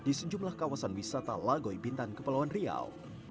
di sejumlah kawasan wisata lagoy bintan kepulauan riau